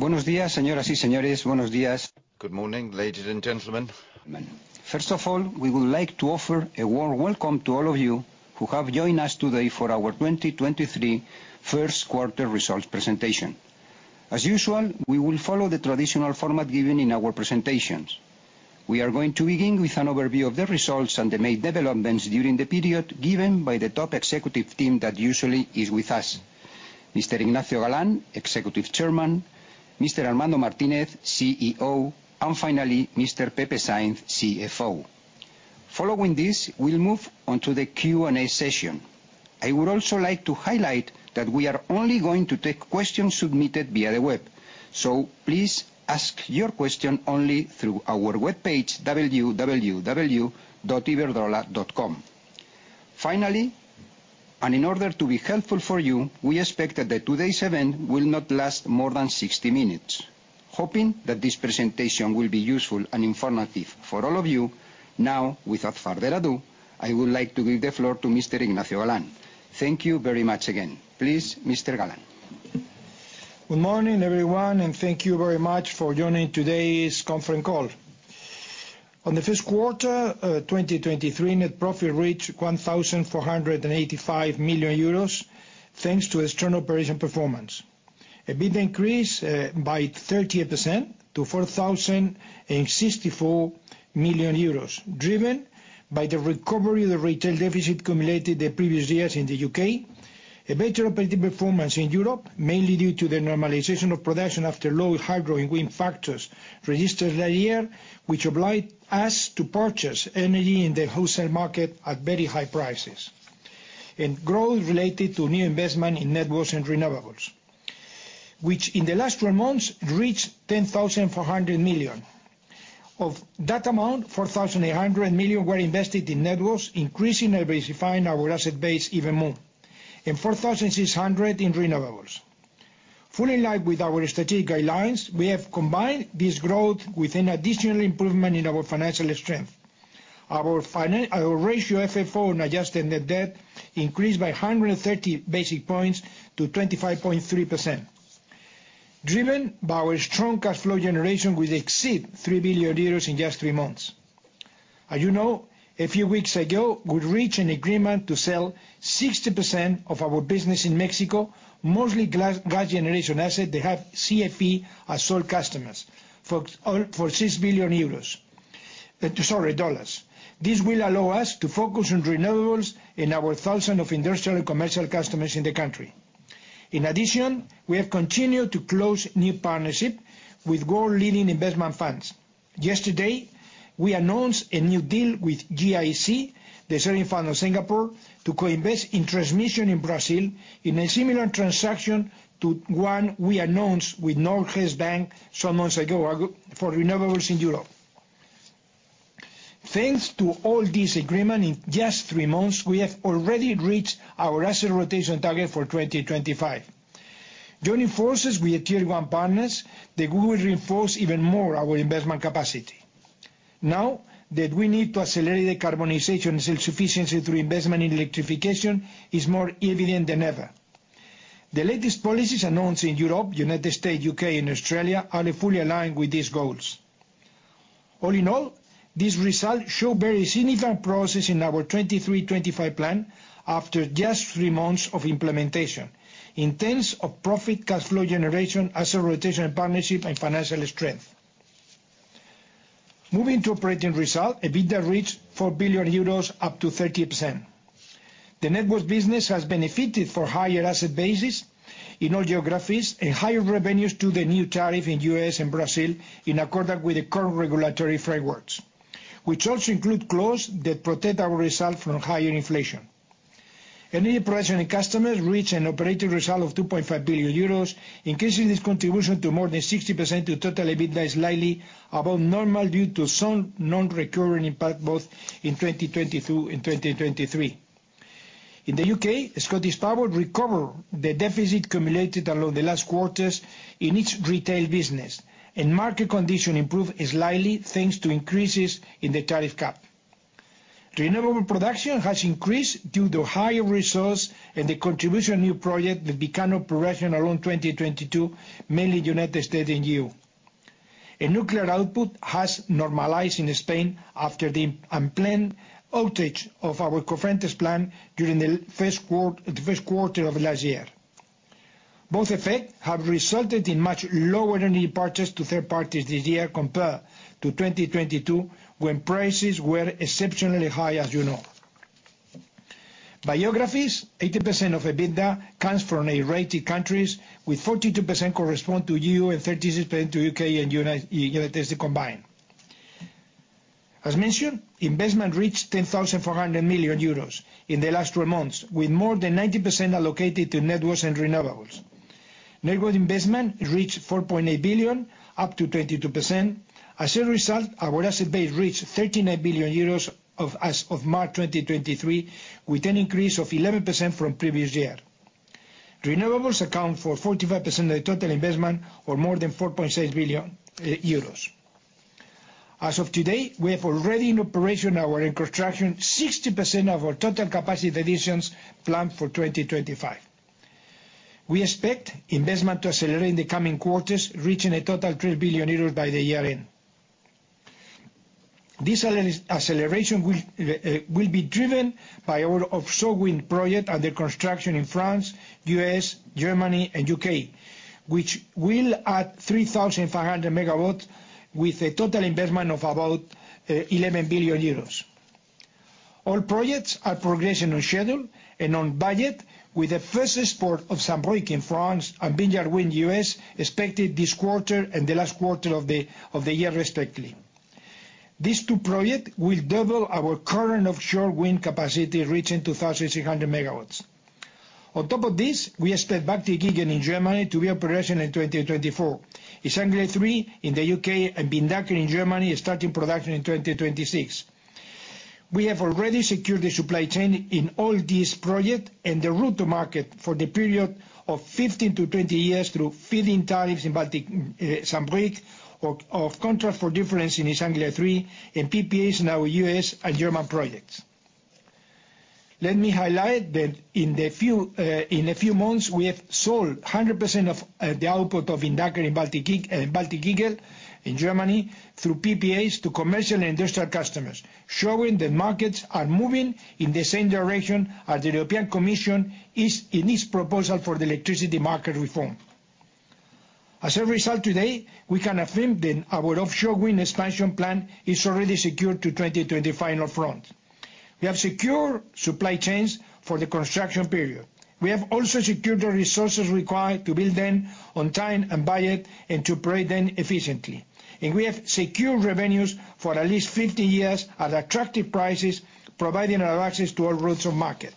Buenos días, señoras y señores, buenos días. Good morning, ladies and gentlemen. First of all, we would like to offer a warm welcome to all of you who have joined us today for our 2023 Q1 results presentation. As usual, we will follow the traditional format given in our presentations. We are going to begin with an overview of the results and the main developments during the period given by the top executive team that usually is with us. Mr. Ignacio Galán, Executive Chairman, Mr. Armando Martínez, CEO, and finally, Mr. Pepe Sainz, CFO. Following this, we'll move on to the Q&A session. I would also like to highlight that we are only going to take questions submitted via the web. Please ask your question only through our webpage, www.iberdrola.com. Finally, in order to be helpful for you, we expect that the today's event will not last more than 60 minutes. Hoping that this presentation will be useful and informative for all of you, now, without further ado, I would like to give the floor to Mr. Ignacio Galán. Thank you very much again. Please, Mr. Galán. Good morning, everyone, and thank you very much for joining today's conference call. On the Q1, 2023, net profit reached 1,485 million euros, thanks to external operation performance. EBITDA increased by 30% to 4,064 million euros, driven by the recovery of the retail deficit accumulated the previous years in the UK. A better operating performance in Europe, mainly due to the normalization of production after low hydro and wind factors registered that year, which obliged us to purchase energy in the wholesale market at very high prices. Growth related to new investment in networks and renewables, which in the last 3 months reached 10,400 million. Of that amount, 4,800 million were invested in networks, increasingly diversifying our asset base even more, and 4,600 million in renewables. Fully in line with our strategic guidelines, we have combined this growth with an additional improvement in our financial strength. Our ratio FFO and adjusted net debt increased by 130 basic points to 25.3%. Driven by our strong cash flow generation, we exceed 3 billion euros in just three months. As you know, a few weeks ago, we reached an agreement to sell 60% of our business in Mexico, mostly gas generation asset. They have CFE as sole customers for $6 billion. This will allow us to focus on renewables and our thousands of industrial commercial customers in the country. In addition, we have continued to close new partnership with world-leading investment funds. Yesterday, we announced a new deal with GIC, the sovereign fund of Singapore, to co-invest in transmission in Brazil in a similar transaction to one we announced with Norges Bank some months ago for renewables in Europe. Thanks to all this agreement, in just 3 months, we have already reached our asset rotation target for 2025. Joining forces with our tier-one partners, they will reinforce even more our investment capacity. Now that we need to accelerate decarbonization and self-sufficiency through investment in electrification is more evident than ever. The latest policies announced in Europe, United States, U.K., and Australia are fully aligned with these goals. All in all, these results show very significant progress in our 2023-2025 plan after just 3 months of implementation in terms of profit, cash flow generation, asset rotation, and partnership, and financial strength. Moving to operating result, EBITDA reached 4 billion euros, up to 30%. The network's business has benefited from higher asset bases in all geographies and higher revenues to the new tariff in U.S. and Brazil in accordance with the current regulatory frameworks, which also include clause that protect our results from higher inflation. Energy generation and customers reached an operating result of 2.5 billion euros, increasing this contribution to more than 60% to total EBITDA is slightly above normal due to some non-recurring impact both in 2022 and 2023. In the U.K., ScottishPower recovered the deficit accumulated along the last quarters in its retail business, market condition improved slightly thanks to increases in the tariff cap. Renewable production has increased due to higher resource and the contribution of new project that began operation along 2022, mainly U.S. and EU. A nuclear output has normalized in Spain after the unplanned outage of our Cofrentes plant during the Q1 of last year. Both effects have resulted in much lower energy purchase to third parties this year compared to 2022 when prices were exceptionally high, as you know. By geographies, 80% of EBITDA comes from regulated countries with 42% correspond to EU and 36% to UK and United States combined. As mentioned, investment reached 10,400 million euros in the last three months, with more than 90% allocated to networks and renewables. Network investment reached 4.8 billion, up to 22%. As a result, our asset base reached 39 billion euros of March 2023, with an increase of 11% from previous year. Renewables account for 45% of the total investment or more than 4.6 billion euros. As of today, we have already in operation our in construction 60% of our total capacity additions planned for 2025. We expect investment to accelerate in the coming quarters, reaching a total 3 billion euros by the year end. This acceleration will be driven by our offshore wind project under construction in France, US, Germany and UK, which will add 3,500 MW with a total investment of about 11 billion euros. All projects are progressing on schedule and on budget with the first export of Saint-Brieuc in France and Vineyard Wind US expected this quarter and the last quarter of the year, respectively. These two project will double our current offshore wind capacity, reaching 2,300 MW. On top of this, we expect Baltic Eagle in Germany to be operational in 2024. Saint-Brieuc 3 in the UK and Windanker in Germany are starting production in 2026. We have already secured the supply chain in all these projects and the route to market for the period of 15 to 20 years through feed-in tariffs in Baltic, Saint-Brieuc, of contract for difference in Saint-Brieuc 3 and PPAs in our US and German projects. Let me highlight that in the few months, we have sold 100% of the output of Windanker in Baltic Eagle in Germany through PPAs to commercial and industrial customers, showing that markets are moving in the same direction as the European Commission is in its proposal for the electricity market reform. Today we can affirm that our offshore wind expansion plan is already secured to 2025 up front. We have secure supply chains for the construction period. We have also secured the resources required to build them on time and budget and to operate them efficiently. We have secured revenues for at least 50 years at attractive prices, providing our access to all routes to market.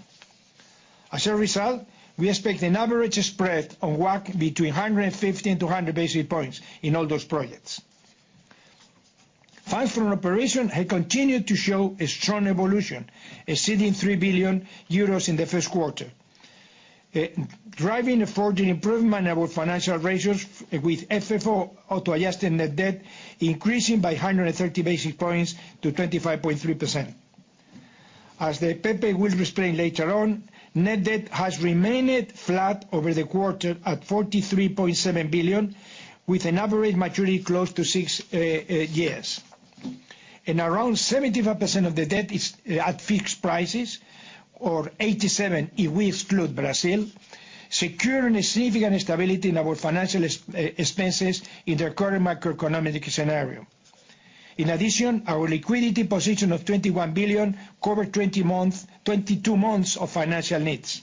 We expect an average spread on WACC between 150 and 200 basis points in all those projects. Funds from operation have continued to show a strong evolution, exceeding 3 billion euros in the Q1. Driving a further improvement in our financial ratios with FFO auto-adjusted net debt increasing by 130 basis points to 25.3%. As the Pepe will explain later on, net debt has remained flat over the quarter at 43.7 billion, with an average maturity close to six years. Around 75% of the debt is at fixed prices, or 87% if we exclude Brazil, securing significant stability in our financial expenses in the current macroeconomic scenario. In addition, our liquidity position of 21 billion covered 22 months of financial needs.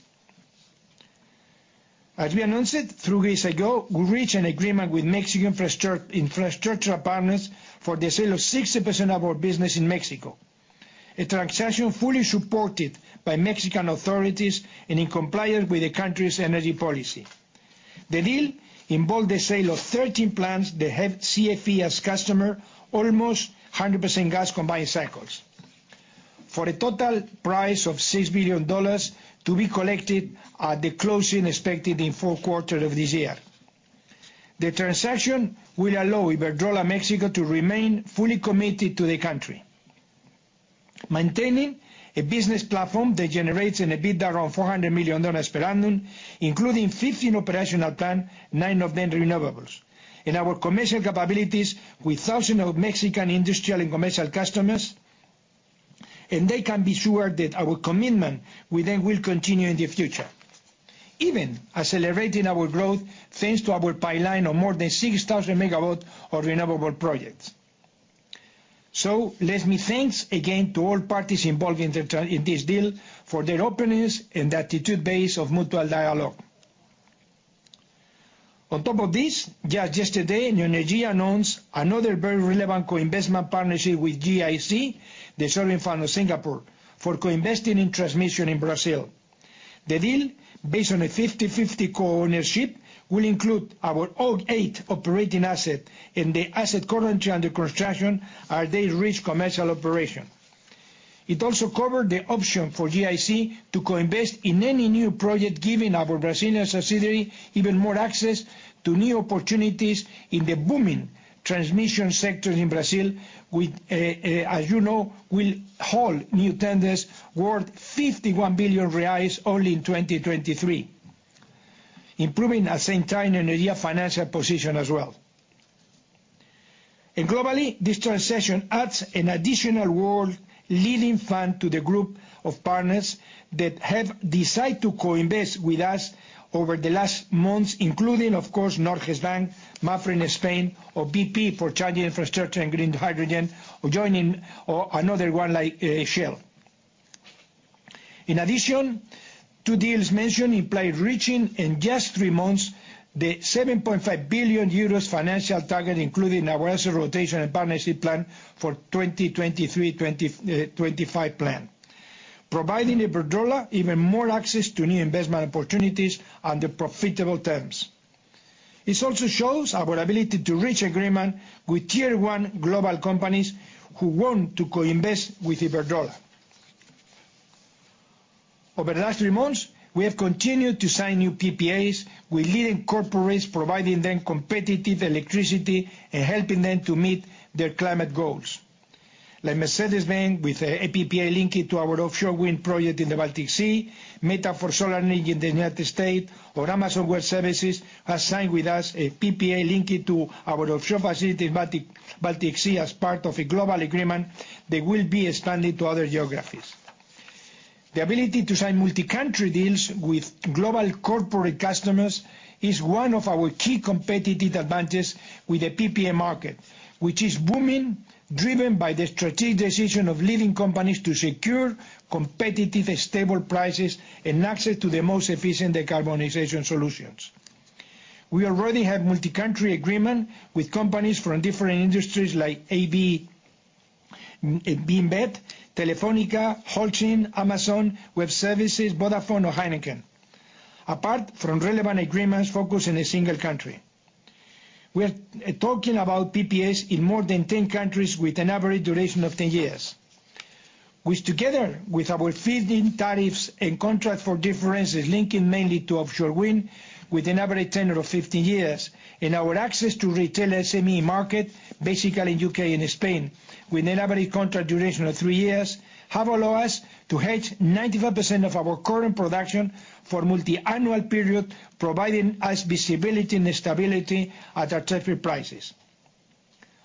As we announced it three weeks ago, we reached an agreement with Mexican Infrastructure Partners for the sale of 60% of our business in Mexico. A transaction fully supported by Mexican authorities and in compliance with the country's energy policy. The deal involved the sale of 13 plants that have CFE as customer, almost 100% gas combined cycles, for a total price of $6 billion to be collected at the closing expected in Q4 of this year. The transaction will allow Iberdrola Mexico to remain fully committed to the country, maintaining a business platform that generates an EBITDA of $400 million per annum, including 15 operational plants, 9 of them renewables. Our commercial capabilities with thousands of Mexican industrial and commercial customers, and they can be sure that our commitment with them will continue in the future. Even accelerating our growth, thanks to our pipeline of more than 6,000 megawatt of renewable projects. Let me thanks again to all parties involved in this deal for their openness and attitude based of mutual dialogue. On top of this, just yesterday, Neoenergia announced another very relevant co-investment partnership with GIC, the sovereign fund of Singapore, for co-investing in transmission in Brazil. The deal, based on a 50/50 co-ownership, will include our all 8 operating asset and the asset currently under construction as they reach commercial operation. It also covered the option for GIC to co-invest in any new project, giving our Brazilian subsidiary even more access to new opportunities in the booming transmission sector in Brazil, with, as you know, will hold new tenders worth 51 billion reais only in 2023. Improving at same time Neoenergia financial position as well. Globally, this transaction adds an additional world-leading fund to the group of partners that have decided to co-invest with us over the last months, including of course, Norges Bank, MAPFRE Spain or bp for charging infrastructure and green hydrogen, or joining, or another one like Shell. In addition, two deals mentioned imply reaching in just three months the 7.5 billion euros financial target included in our asset rotation and partnership plan for 2023/2025 plan. Providing Iberdrola even more access to new investment opportunities under profitable terms. This also shows our ability to reach agreement with tier one global companies who want to co-invest with Iberdrola. Over the last three months, we have continued to sign new PPAs with leading corporates, providing them competitive electricity and helping them to meet their climate goals. Like Mercedes-Benz with a PPA linked to our offshore wind project in the Baltic Sea, Meta for solar energy in the United States, Amazon Web Services has signed with us a PPA linked to our offshore facility in Baltic Sea as part of a global agreement that will be expanded to other geographies. The ability to sign multi-country deals with global corporate customers is one of our key competitive advantages with the PPA market, which is booming, driven by the strategic decision of leading companies to secure competitive and stable prices and access to the most efficient decarbonization solutions. We already have multi-country agreement with companies from different industries like Beam Suntory, Telefónica, Holcim, Amazon Web Services, Vodafone or Heineken. Apart from relevant agreements focused in a single country. We are talking about PPAs in more than 10 countries with an average duration of 10 years. Which together with our feed-in tariffs and contract for differences linking mainly to offshore wind with an average tenure of 15 years, and our access to retail SME market, basically in UK and Spain, with an average contract duration of 3 years, have allowed us to hedge 95% of our current production for multi-annual period, providing us visibility and stability at attractive prices.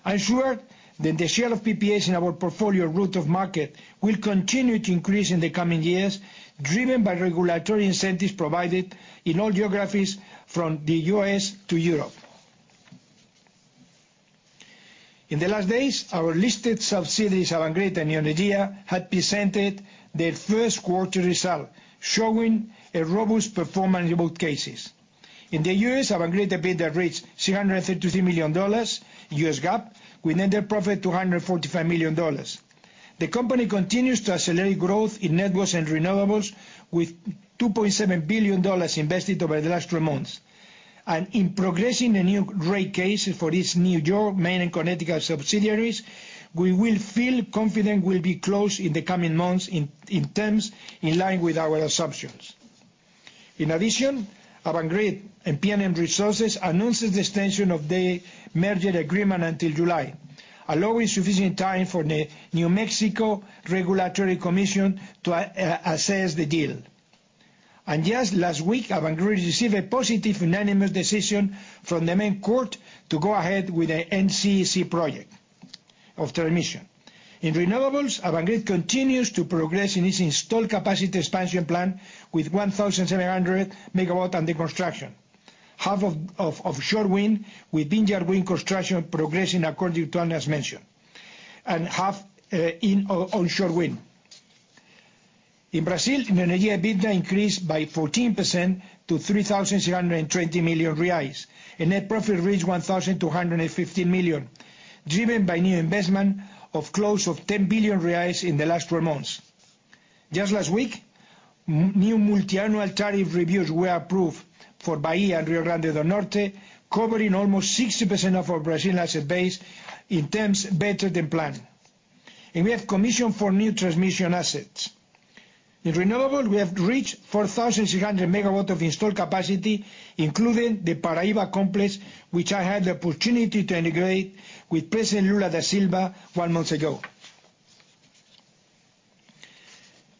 I'm sure that the share of PPAs in our portfolio route of market will continue to increase in the coming years, driven by regulatory incentives provided in all geographies from the US to Europe. In the last days, our listed subsidiaries, Avangrid and Neoenergia, have presented their Q1 result, showing a robust performance in both cases. In the U.S., Avangrid EBITDA reached $633 million US GAAP, with net profit $245 million. The company continues to accelerate growth in networks and renewables with $2.7 billion invested over the last three months. In progressing the new rate case for its New York, Maine and Connecticut subsidiaries, we will feel confident we'll be close in the coming months in terms in line with our assumptions. In addition, Avangrid and PNM Resources announced the extension of the merger agreement until July, allowing sufficient time for the New Mexico Regulatory Commission to assess the deal. Just last week, Avangrid received a positive unanimous decision from the main court to go ahead with the NECEC project of transmission. In renewables, Avangrid continues to progress in its installed capacity expansion plan with 1,700 MW under construction. Half of offshore wind, with Windanker construction progressing as mentioned. Half in onshore wind. In Brazil, Neoenergia EBITDA increased by 14% to 3,320 million reais and net profit reached 1,215 million, driven by new investment of close of 10 billion reais in the last three months. Just last week, new multi-annual tariff reviews were approved for Bahia and Rio Grande do Norte, covering almost 60% of our Brazilian asset base in terms better than planned. We have commission for new transmission assets. In renewable, we have reached 4,300 MW of installed capacity, including the Paraiba complex, which I had the opportunity to integrate with President Lula da Silva one month ago.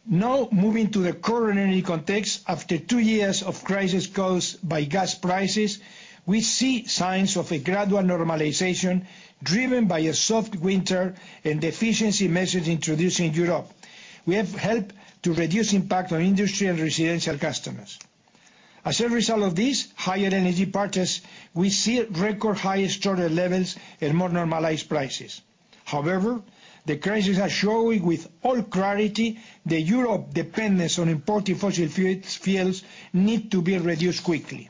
Moving to the current energy context. After two years of crisis caused by gas prices, we see signs of a gradual normalization driven by a soft winter and efficiency measures introduced in Europe which have helped to reduce impact on industry and residential customers. As a result of this, higher energy purchase, we see record high storage levels and more normalized prices. However, the crisis has shown with all clarity the Europe dependence on imported fossil fuels. Fuels need to be reduced quickly.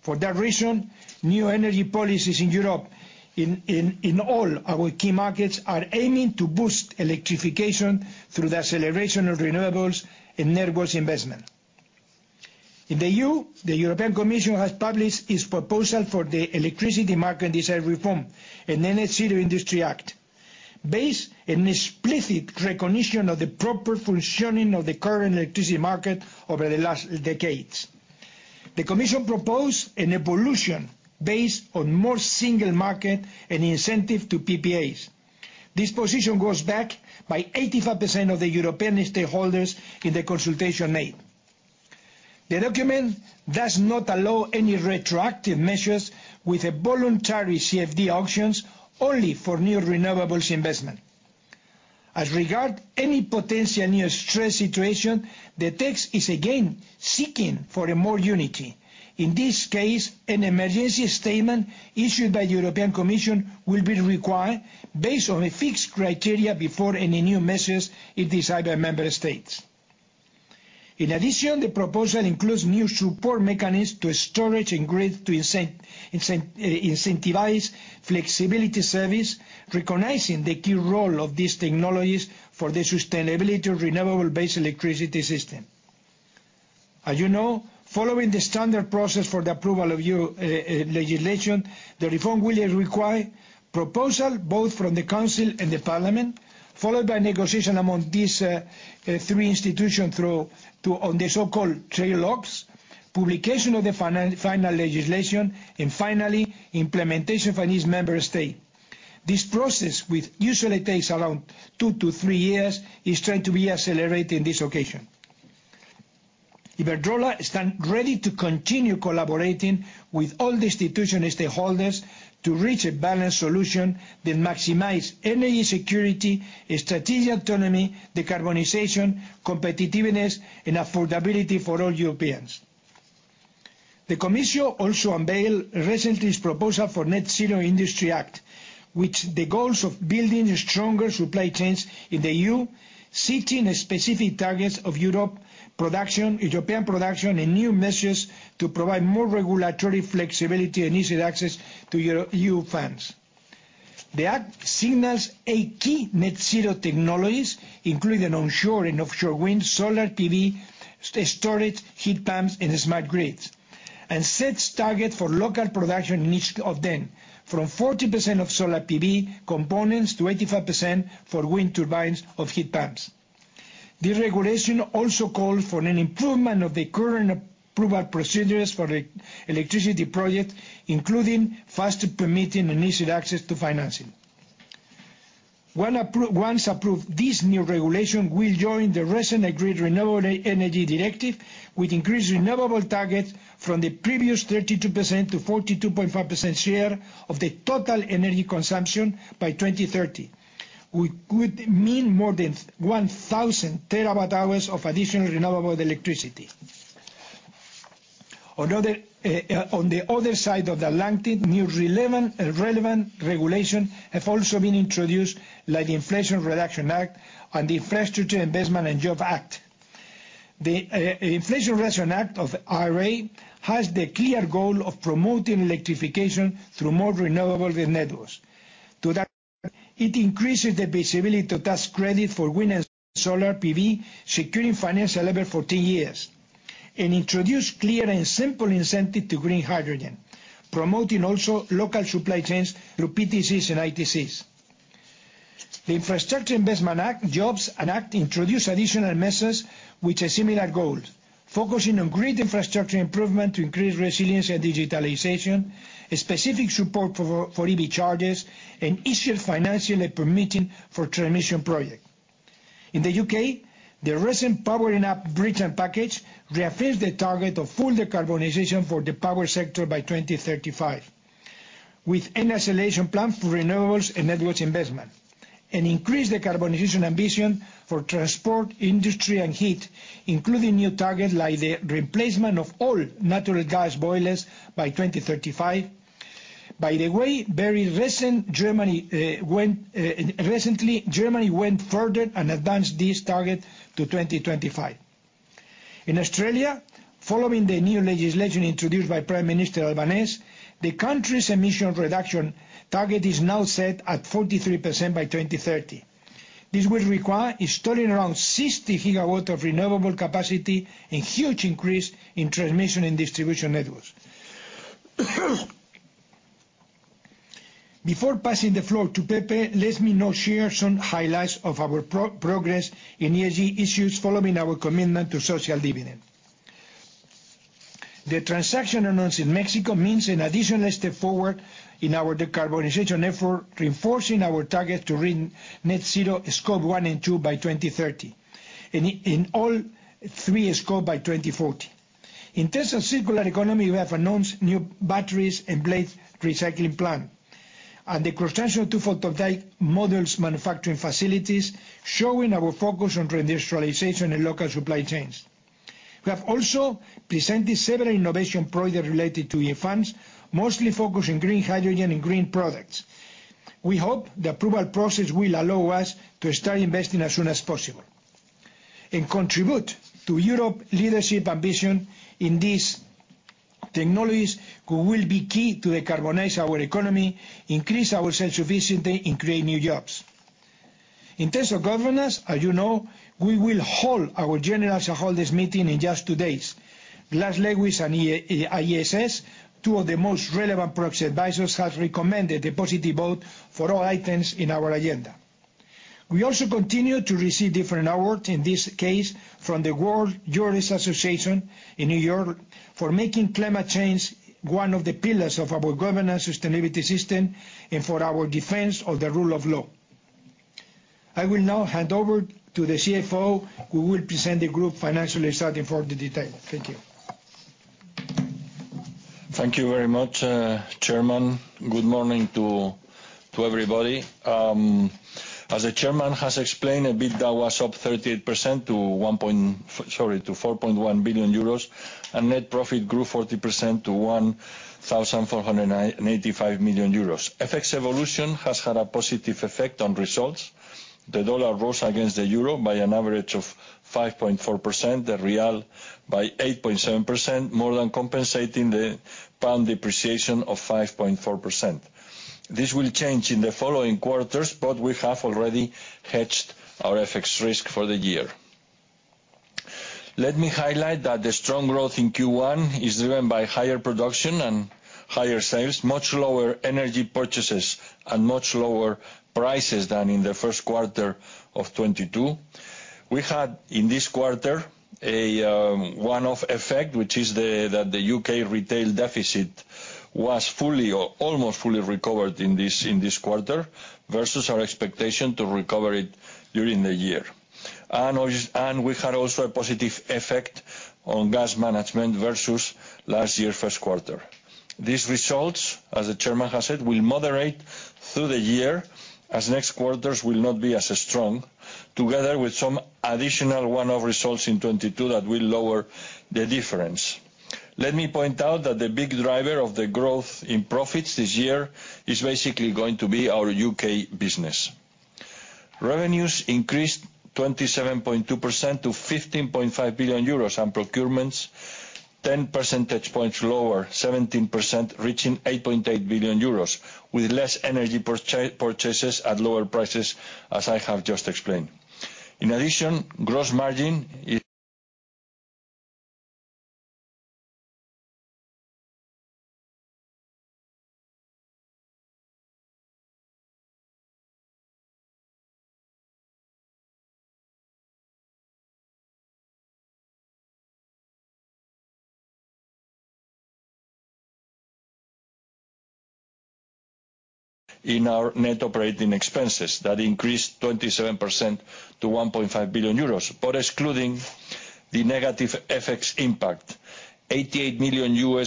For that reason, new energy policies in Europe in all our key markets are aiming to boost electrification through the acceleration of renewables and networks investment. In the EU, the European Commission has published its proposal for the electricity market design reform, an Net-Zero Industry Act, based on explicit recognition of the proper functioning of the current electricity market over the last decades. The Commission proposed an evolution based on more single market and incentive to PPAs. This position was backed by 85% of the European stakeholders in the consultation made. The document does not allow any retroactive measures with a voluntary CFD auctions only for new renewables investment. As regard any potential new stress situation, the text is again seeking for a more unity. In this case, an emergency statement issued by the European Commission will be required based on a fixed criteria before any new measures is decided by member states. In addition, the proposal includes new support mechanisms to storage and grid to incentivize flexibility service, recognizing the key role of these technologies for the sustainability of renewable-based electricity system. As you know, following the standard process for the approval of EU legislation, the reform will require proposal both from the council and the parliament, followed by negotiation among these 3 institution through the so-called trilogues, publication of the final legislation and, finally, implementation for each member state. This process, which usually takes around 2 to 3 years, is trying to be accelerated in this occasion. Iberdrola stand ready to continue collaborating with all the institution stakeholders to reach a balanced solution that maximize energy security, strategic autonomy, decarbonization, competitiveness and affordability for all Europeans. The commission also unveiled recently its proposal for Net-Zero Industry Act, which the goals of building stronger supply chains in the EU, seeking specific targets of European production, and new measures to provide more regulatory flexibility and easier access to EU funds. The Act signals 8 key net-zero technologies, including onshore and offshore wind, solar PV, storage, heat pumps and smart grids, and sets target for local production in each of them, from 40% of solar PV components to 85% for wind turbines of heat pumps. This regulation also calls for an improvement of the current approval procedures for electricity project, including faster permitting and easier access to financing. When once approved, this new regulation will join the recent agreed Renewable Energy Directive, with increased renewable targets from the previous 32 to 42.5% share of the total energy consumption by 2030. We could mean more than 1,000 terawatt-hours of additional renewable electricity. Although the on the other side of Atlantic, new relevant regulation have also been introduced, like the Inflation Reduction Act and the Infrastructure Investment and Jobs Act. The Inflation Reduction Act, or IRA, has the clear goal of promoting electrification through more renewable than others. To that, it increases the visibility to tax credit for wind and solar PV, securing finance level for 2 years, and introduce clear and simple incentive to green hydrogen, promoting also local supply chains through PTCs and ITCs. The Infrastructure Investment and Jobs Act introduce additional measures which are similar goals, focusing on grid infrastructure improvement to increase resilience and digitalization, a specific support for EV charges and easier financing and permitting for transmission project. In the U.K., the recent Powering Up Britain package reaffirms the target of full decarbonization for the power sector by 2035, with an acceleration plan for renewables and networks investment, and increase decarbonization ambition for transport, industry and heat, including new targets like the replacement of all natural gas boilers by 2035. By the way, very recent Germany recently went further and advanced this target to 2025. In Australia, following the new legislation introduced by Prime Minister Albanese, the country's emission reduction target is now set at 43% by 2030. This will require installing around 60 GW of renewable capacity and huge increase in transmission and distribution networks. Before passing the floor to Pepe, let me now share some highlights of our pro-progress in ESG issues following our commitment to social dividend. The transaction announced in Mexico means an additional step forward in our decarbonization effort, reinforcing our target to reach net zero Scope 1 and 2 by 2030, and in all three scope by 2040. In terms of circular economy, we have announced new batteries and blades recycling plan and the cross-sectional 2 solar PV models manufacturing facilities, showing our focus on reindustrialization and local supply chains. We have also presented several innovation projects related to EU funds, mostly focused on green hydrogen and green products. We hope the approval process will allow us to start investing as soon as possible and contribute to Europe leadership ambition in these technologies, who will be key to decarbonize our economy, increase our sense of visibility and create new jobs. In terms of governance, as you know, we will hold our general shareholders meeting in just two days. Glass Lewis and ISS, two of the most relevant proxy advisors, have recommended a positive vote for all items in our agenda. We also continue to receive different award, in this case, from the World Jurist Association in New York for making climate change one of the pillars of our governance sustainability system and for our defense of the rule of law. I will now hand over to the CFO, who will present the group financially starting from the detail. Thank you. Thank you very much, Chairman. Good morning to everybody. As the Chairman has explained, EBITDA was up 38% to 4.1 billion euros, and net profit grew 40% to 1,485 million euros. FX evolution has had a positive effect on results. The dollar rose against the euro by an average of 5.4%, the real by 8.7%, more than compensating the pound depreciation of 5.4%. This will change in the following quarters, but we have already hedged our FX risk for the year. Let me highlight that the strong growth in Q1 is driven by higher production and higher sales, much lower energy purchases, and much lower prices than in the Q1 of 2022. We had, in this quarter, a one-off effect, which is that the U.K. retail deficit was fully, or almost fully recovered in this quarter, versus our expectation to recover it during the year. Obviously, we had also a positive effect on gas management versus last year Q1. These results, as the chairman has said, will moderate through the year, as next quarters will not be as strong, together with some additional one-off results in 2022 that will lower the difference. Let me point out that the big driver of the growth in profits this year is basically going to be our U.K. business. Revenues increased 27.2% to 15.5 billion euros, and procurements 10 percentage points lower, 17%, reaching 8.8 billion euros, with less energy purchases at lower prices, as I have just explained. Gross margin in our net operating expenses increased 27% to 1.5 billion euros. Excluding the negative FX impact, $88 million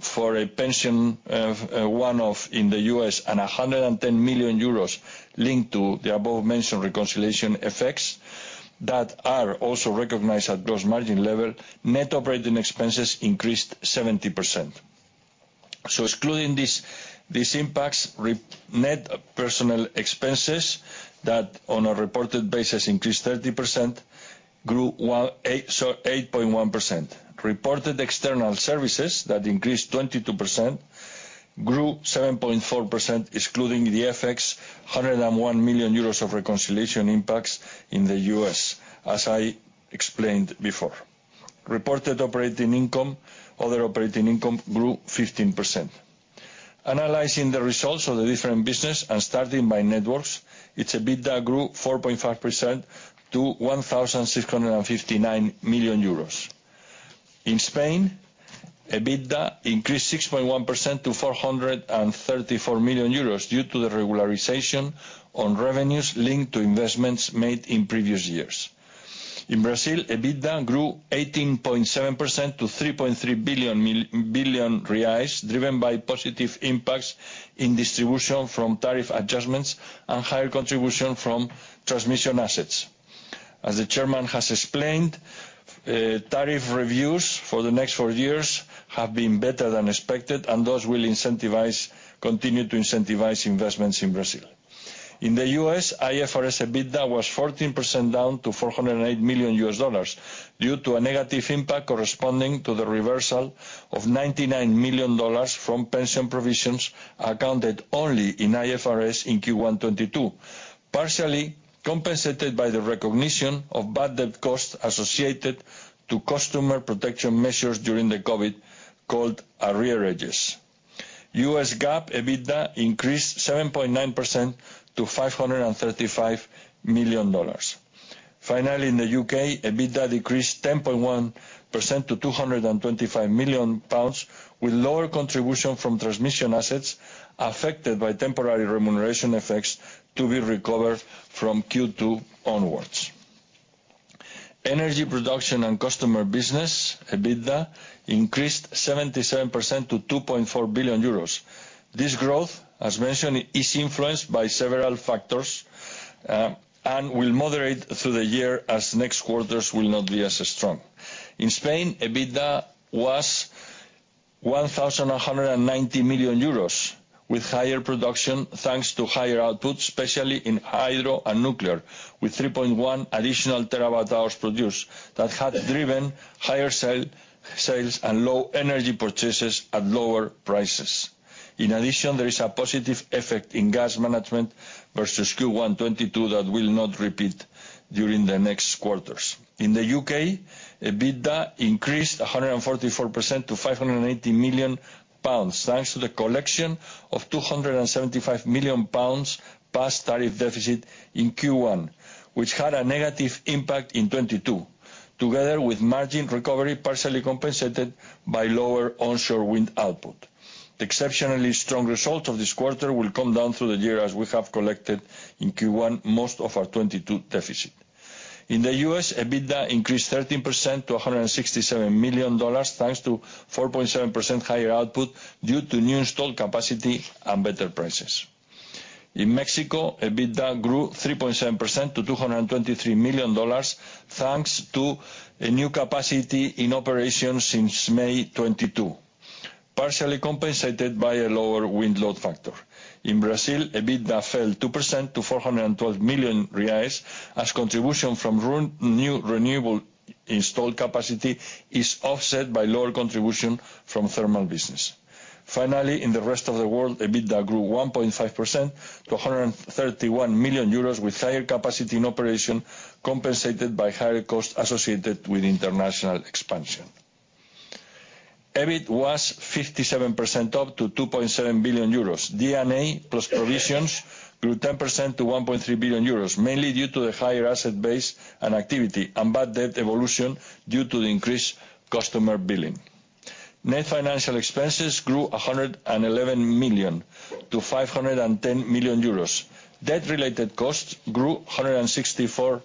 for a pension one-off in the U.S., and 110 million euros linked to the above-mentioned reconciliation effects, that are also recognized at gross margin level, net operating expenses increased 70%. Excluding these impacts, net personal expenses that, on a reported basis, increased 30%, grew 8.1%. Reported external services that increased 22% grew 7.4%, excluding the FX, 101 million euros of reconciliation impacts in the U.S., as I explained before. Reported operating income, other operating income grew 15%. Starting by Networks, its EBITDA grew 4.5% to 1,659 million euros. In Spain, EBITDA increased 6.1% to 434 million euros due to the regularization on revenues linked to investments made in previous years. In Brazil, EBITDA grew 18.7% to 3.3 billion, driven by positive impacts in distribution from tariff adjustments and higher contribution from transmission assets. As the Chairman has explained, tariff reviews for the next four years have been better than expected, those will incentivize, continue to incentivize investments in Brazil. In the US, IFRS EBITDA was 14% down to $408 million due to a negative impact corresponding to the reversal of $99 million from pension provisions accounted only in IFRS in Q1 2022, partially compensated by the recognition of bad debt costs associated to customer protection measures during the COVID called arrearages. US GAAP EBITDA increased 7.9% to $535 million. Finally, in the UK, EBITDA decreased 10.1% to 225 million pounds with lower contribution from transmission assets affected by temporary remuneration effects to be recovered from Q2 onwards. Energy production and customer business, EBITDA, increased 77% to 2.4 billion euros. This growth, as mentioned, is influenced by several factors, and will moderate through the year as next quarters will not be as strong. In Spain, EBITDA was 1,190 million euros, with higher production, thanks to higher output, especially in hydro and nuclear, with 3.1 additional terawatt-hours produced, that have driven higher sales and low energy purchases at lower prices. There is a positive effect in gas management versus Q1 2022 that will not repeat during the next quarters. In the UK, EBITDA increased 144% to 580 million pounds, thanks to the collection of 275 million pounds past tariff deficit in Q1, which had a negative impact in 2022, together with margin recovery partially compensated by lower onshore wind output. The exceptionally strong results of this quarter will come down through the year as we have collected in Q1 most of our 2022 deficit. In the US, EBITDA increased 13% to $167 million, thanks to 4.7% higher output due to new installed capacity and better prices. In Mexico, EBITDA grew 3.7% to $223 million, thanks to a new capacity in operation since May 2022, partially compensated by a lower wind load factor. In Brazil, EBITDA fell 2% to 412 million reais as contribution from new renewable-Installed capacity is offset by lower contribution from thermal business. Finally, in the rest of the world, EBITDA grew 1.5% to 131 million euros, with higher capacity and operation compensated by higher costs associated with international expansion. EBIT was 57% up to 27 billion euros. DDA plus provisions grew 10% to 1.3 billion euros, mainly due to the higher asset base and activity and bad debt evolution due to the increased customer billing. Net financial expenses grew 111 million to 510 million euros. Debt-related costs grew 164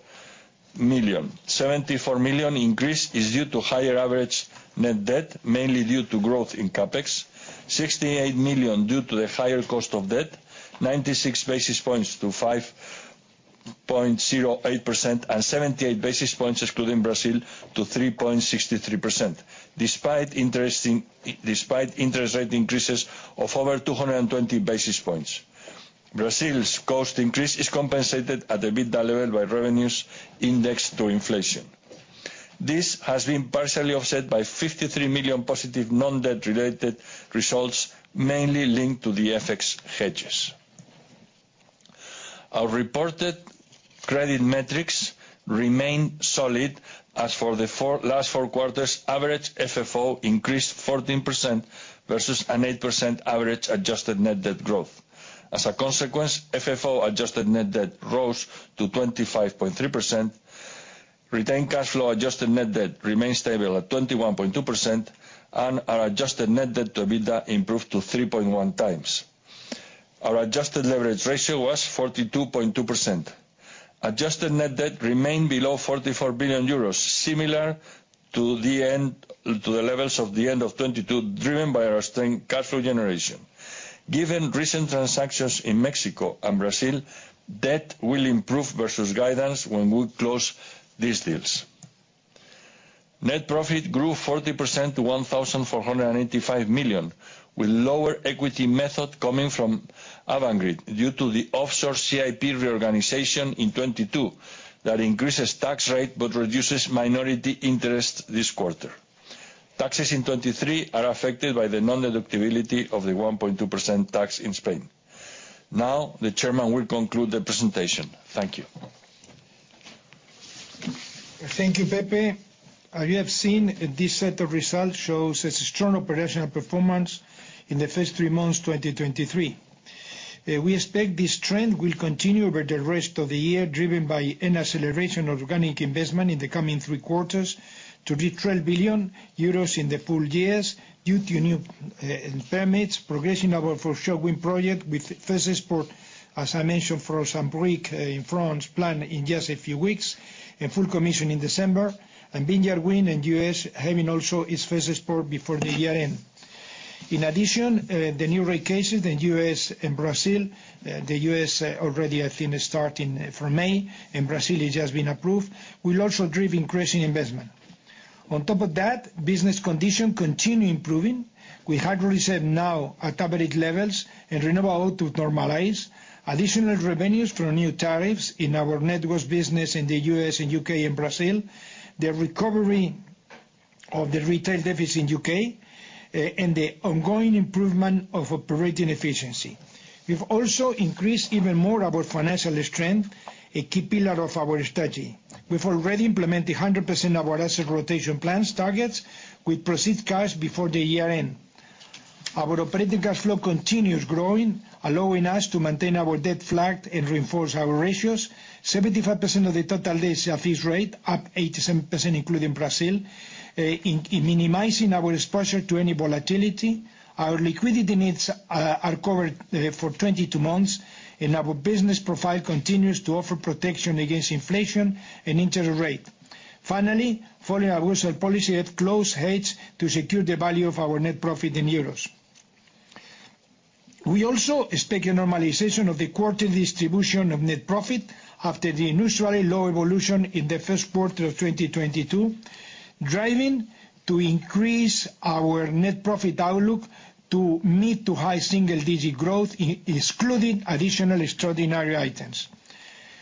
million. 74 million increase is due to higher average net debt, mainly due to growth in CapEx. 68 million due to the higher cost of debt. 96 basis points to 5.08% and 78 basis points excluding Brazil to 3.63%, despite interest rate increases of over 220 basis points. Brazil's cost increase is compensated at EBITDA level by revenues indexed to inflation. This has been partially offset by 53 million positive non-debt related results, mainly linked to the FX hedges. Our reported credit metrics remain solid. As for the last four quarters, average FFO increased 14% versus an 8% average adjusted net debt growth. As a consequence, FFO adjusted net debt rose to 25.3%. Retained cash flow adjusted net debt remains stable at 21.2%. Our adjusted net debt to EBITDA improved to 3.1 times. Our adjusted leverage ratio was 42.2%. Adjusted net debt remained below 44 billion euros, similar to the levels of the end of 2022, driven by our strong cash flow generation. Given recent transactions in Mexico and Brazil, debt will improve versus guidance when we close these deals. Net profit grew 40% to 1,485 million, with lower equity method coming from Avangrid due to the offshore CIP reorganization in 2022 that increases tax rate but reduces minority interest this quarter. Taxes in 2023 are affected by the non-deductibility of the 1.2% tax in Spain. The chairman will conclude the presentation. Thank you. Thank you, Pepe. As you have seen, this set of results shows a strong operational performance in the first 3 months, 2023. We expect this trend will continue over the rest of the year, driven by an acceleration of organic investment in the coming 3 quarters to EUR retail billion in the full years due to new permits, progression of our offshore wind project with first export, as I mentioned, for Saint-Brieuc in France, planned in just a few weeks and full commission in December, and Vineyard Wind in U.S. having also its first export before the year end. In addition, the new rate cases in U.S. and Brazil, the U.S. already I think starting from May and Brazil it has been approved, will also drive increasing investment. On top of that, business conditions continue improving with hydropower reserves now at average levels and renewables to normalize, additional revenues from new tariffs in our networks business in the U.S. and U.K. and Brazil, the recovery of the retail deficit in U.K., and the ongoing improvement of operating efficiency. We've also increased even more our financial strength, a key pillar of our strategy. We've already implemented 100% of our asset rotation plans targets with proceeds cash before the year-end. Our operating cash flow continues growing, allowing us to maintain our debt flat and reinforce our ratios. 75% of the total days at this rate, up 87% including Brazil, in minimizing our exposure to any volatility. Our liquidity needs are covered for 22 months, and our business profile continues to offer protection against inflation and interest rates. Finally, following our risk policy, have closed hedges to secure the value of our net profit in euros. We also expect a normalization of the quarter distribution of net profit after the unusually low evolution in the Q1 of 2022, driving to increase our net profit outlook to mid to high single digit growth, excluding additional extraordinary items,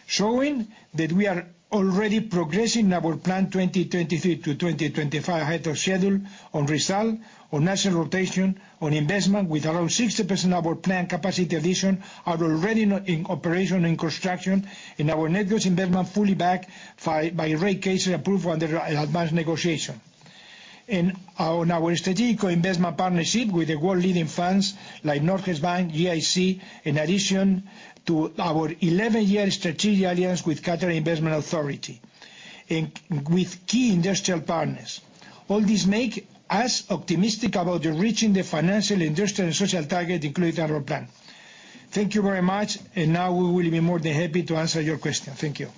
showing that we are already progressing our plan 2023-2025 ahead of schedule on result, on asset rotation, on investment, with around 60% of our planned capacity addition are already now in operation and construction, and our net growth investment fully backed by rate cases approved under advanced negotiation. On our strategic investment partnership with the world-leading firms like Norges Bank, EIB, in addition to our 11-year strategic alliance with Qatar Investment Authority, with key industrial partners. All this make us optimistic about reaching the financial, industrial and social target included in our plan. Thank you very much, now we will be more than happy to answer your question. Thank you.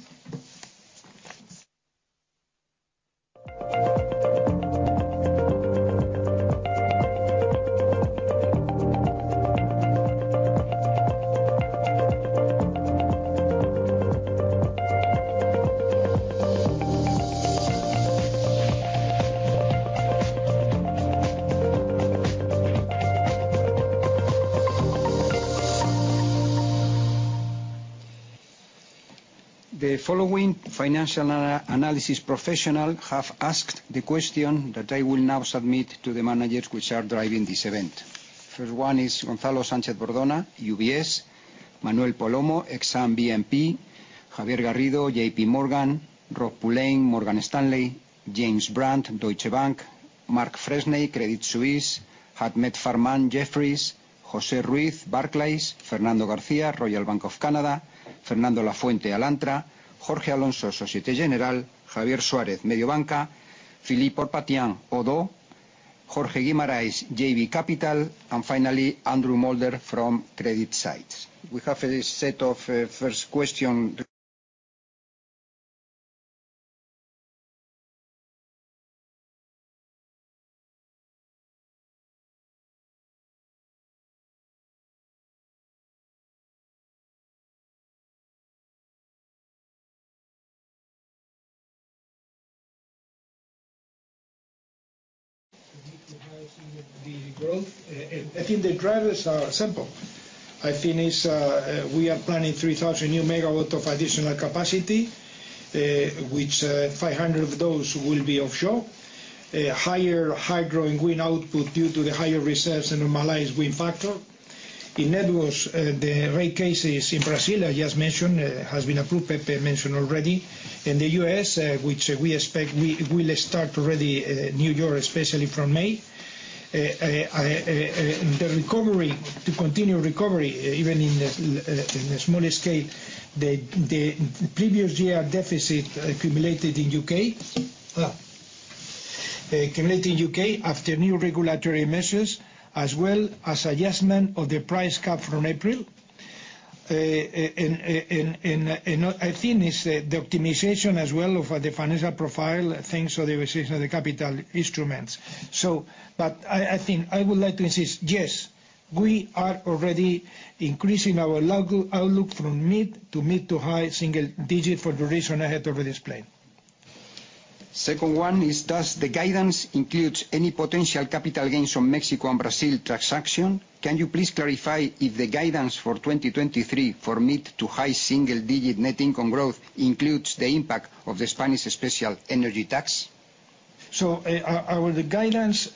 The following financial analysis professional have asked the question that I will now submit to the managers which are driving this event. First one is Gonzalo Sanchez-Bordona, UBS, Manuel Palomo, Exane BNP, Javier Garrido, JP Morgan, Rob Pulleyn, Morgan Stanley, James Brand, Deutsche Bank, Mark Freshney, Credit Suisse, Ahmed Farman, Jefferies, Jose Ruiz, Barclays, Fernando Garcia, Royal Bank of Canada, Fernando Lafuente, Alantra, Jorge Alonso, Societe Generale, Javier Suarez, Mediobanca, Philippe Ourpatian, Oddo, Jorge Guimaraes, JB Capital, finally, Andrew Moulder from Credit Suisse. We have a set of first question regarding the growth. I think the drivers are simple. I think it's, we are planning 3,000 new MW of additional capacity, which, 500 of those will be offshore. A higher hydro and wind output due to the higher reserves and normalized wind factor. In networks, the rate cases in Brazil, as just mentioned, has been approved, Pepe mentioned already. In the U.S., which we expect we'll start already, New York especially from May. The recovery, to continue recovery, even in a small scale, the previous year deficit accumulated in U.K., accumulated in U.K. after new regulatory measures as well as adjustment of the price cap from April. I think it's the optimization as well of the financial profile, thanks to the inaudible of the capital instruments. But I think I would like to insist, yes, we are already increasing our local outlook from mid to mid to high single-digit for the reason I had already explained. Second one is, does the guidance includes any potential capital gains from Mexico and Brazil transaction? Can you please clarify if the guidance for 2023 for mid to high single-digit net income growth includes the impact of the Spanish special energy tax? Our guidance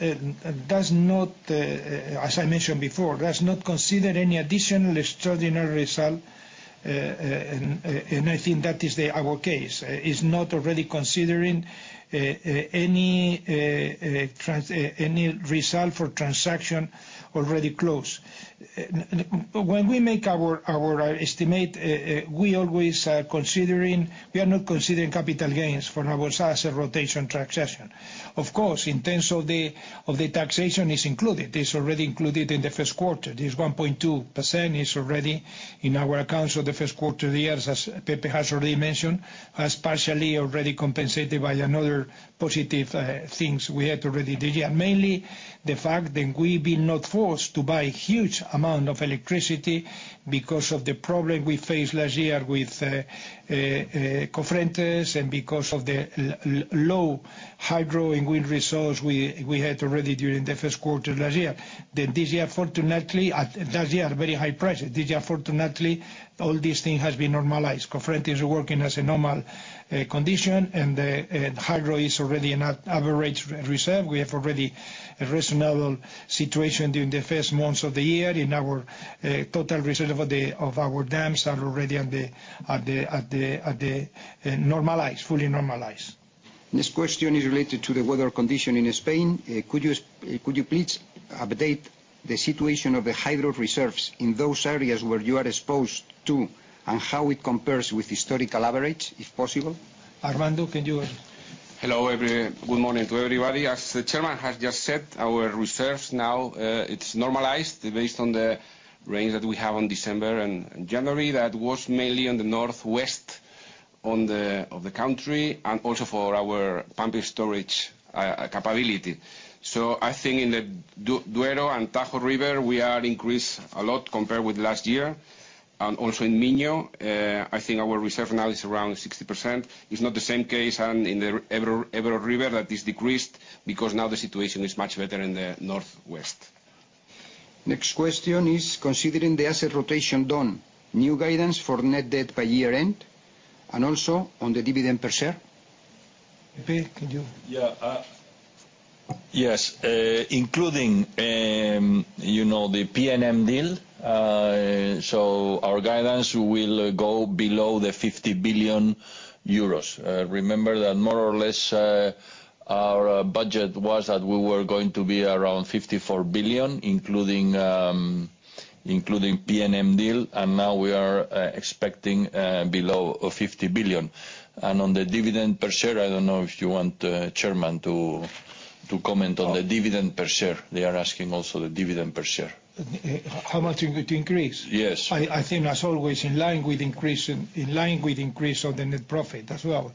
does not, as I mentioned before, does not consider any additional extraordinary result. I think that is our case. It's not already considering any result for transaction already closed. When we make our estimate, we always are considering, we are not considering capital gains from our asset rotation transaction. Of course, in terms of the, of the taxation, it's included. It's already included in the Q1. This 1.2% is already in our accounts for the Q1 of the year, as Pepe has already mentioned. Has partially already compensated by another positive things we had already this year. Mainly the fact that we've been not forced to buy huge amount of electricity because of the problem we faced last year with Cofrentes and because of the low hydro and wind resource we had already during the Q1 last year. That this year fortunately, that year, very high price. This year fortunately, all this thing has been normalized. Cofrente is working as a normal condition, and hydro is already in a average reserve. We have already a reasonable situation during the first months of the year in our total reserve of our dams are already at the normalized, fully normalized. This question is related to the weather condition in Spain. Could you please update the situation of the hydro reserves in those areas where you are exposed to, and how it compares with historical average, if possible? Armando, can you? Hello, good morning to everybody. As the chairman has just said, our reserves now, it's normalized based on the rain that we have on December and January. That was mainly on the northwest of the country and also for our pumping storage capability. I think in the Duero and Tajo River, we are increased a lot compared with last year, and also in Minho. I think our reserve now is around 60%. It's not the same case in the Ebro River that is decreased, because now the situation is much better in the northwest. Next question is considering the asset rotation done, new guidance for net debt by year-end, and also on the dividend per share. Pepe, can you? Yeah. Yes, including, you know, the PNM deal, our guidance will go below 50 billion euros. Remember that more or less, our budget was that we were going to be around 54 billion, including PNM deal, and now we are expecting below 50 billion. On the dividend per share, I don't know if you want Chairman to comment on the dividend per share. They are asking also the dividend per share. How much it would increase? Yes. I think as always, in line with increase of the net profit as well.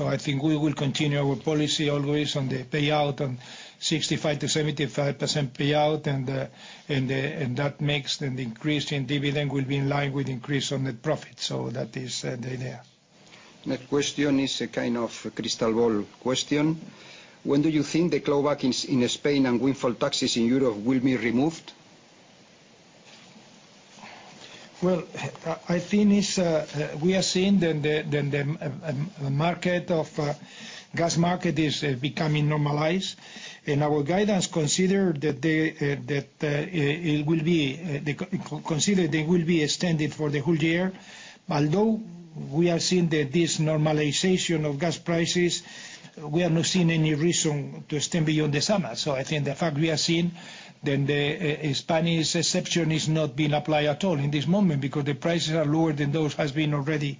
I think we will continue our policy always on the payout on 65 to 75% payout, and that makes the increase in dividend will be in line with increase on the profit. That is the idea. Next question is a kind of crystal ball question. When do you think the clawbacks in Spain and windfall taxes in Europe will be removed? I think we are seeing then the market of gas market is becoming normalized. Our guidance consider that it will be the co-consider they will be extended for the whole year. We are seeing this normalization of gas prices, we are not seeing any reason to extend beyond the summer. The fact we are seeing then the Spanish exception is not being applied at all in this moment because the prices are lower than those has been already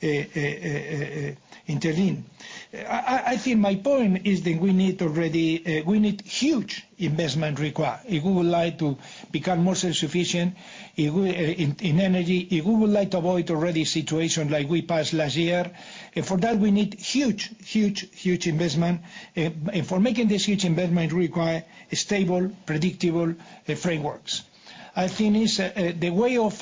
intervened. I think my point is that we need already huge investment required if we would like to become more self-sufficient, if we in energy, if we would like to avoid already situation like we passed last year. For that we need huge investment. For making this huge investment require a stable, predictable frameworks. I think it's the way of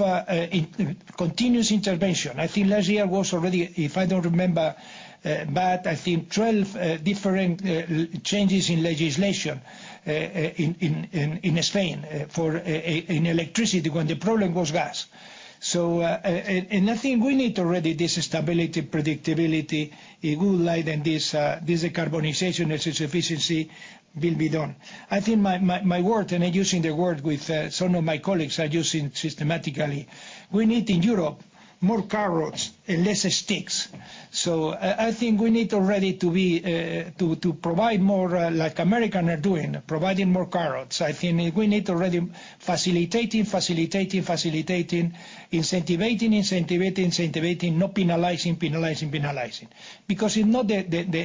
continuous intervention, I think last year was already, if I don't remember, but I think 12 different changes in legislation in Spain for in electricity when the problem was gas. I think we need already this stability, predictability. It will lie then this decarbonization and self-sufficiency will be done. I think my word, and I'm using the word with some of my colleagues are using systematically, we need in Europe more carrots and less sticks. I think we need already to be to provide more like America are doing, providing more carrots. I think we need already facilitating, facilitating, incentivizing, incentivizing. Not penalizing, penalizing. If not the